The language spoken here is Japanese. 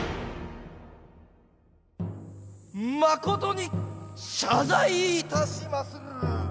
誠に謝罪いたしまする！